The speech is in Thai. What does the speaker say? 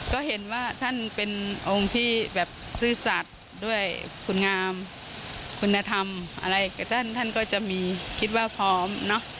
คนที่ซื่อสัตย์ด้วยคุณงามคุณธรรมอะไรก็จะมีคิดว่าพร้อม